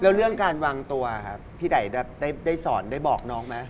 แล้วเรื่องการวางตัวครับพี่ไดได้สอนได้บอกน้องไหม